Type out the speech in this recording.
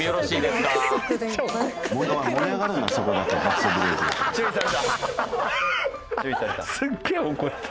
すっげえ怒って。